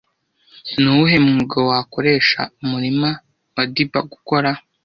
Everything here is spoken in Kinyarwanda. Ni uwuhe mwuga wakoresha umurima wa dibber - gukora